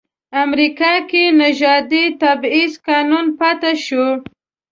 امریکا کې نژادي تبعیض قانوني پاتې شو.